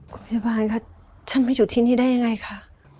คุณพยาบาลคะท่านไปอยู่ที่นี่ได้ยังไงคะ